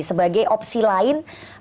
sebagai opsi lain membentuk koalisi lain